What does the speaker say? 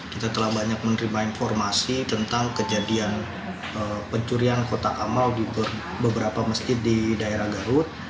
kita telah banyak menerima informasi tentang kejadian pencurian kotak amal di beberapa masjid di daerah garut